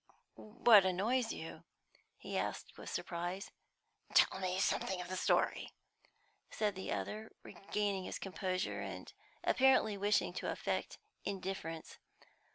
"What annoys you?" he asked, with surprise. "Tell me something of the story," said the other, regaining his composure, and apparently wishing to affect indifference.